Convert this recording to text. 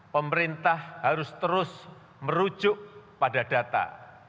pemerintah harus terus merujuk pada data